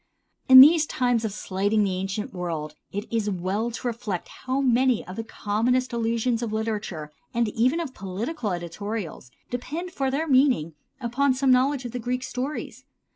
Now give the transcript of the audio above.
In these times of slighting of the ancient world it is well to reflect how many of the commonest allusions of literature, and even of political editorials, depend for their meaning upon some knowledge of the Greek stories.